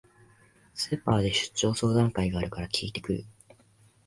スーパーで出張相談会があるから聞いてくる